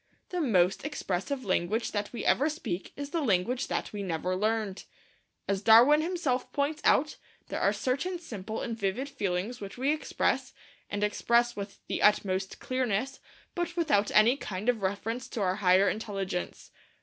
The most expressive language that we ever speak is the language that we never learned. As Darwin himself points out, there are certain simple and vivid feelings which we express, and express with the utmost clearness, but without any kind of reference to our higher intelligence.